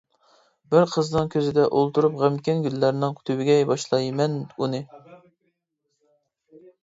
بىر قىزنىڭ كۆزىدە ئولتۇرۇپ غەمكىن، گۈللەرنىڭ تۈۋىگە باشلايمەن ئۇنى.